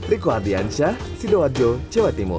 riku ardiansyah sido arjo cewat timur